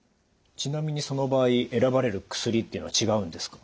ちなみにその場合選ばれる薬というのは違うんですか？